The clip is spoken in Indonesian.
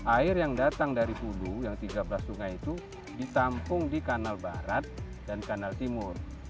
air yang datang dari pudu yang tiga belas sungai itu ditampung di kanal barat dan kanal timur